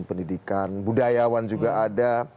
pendidikan budayawan juga ada